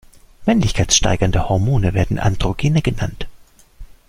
Männlichkeitssteigernde Hormone werden Androgene genannt.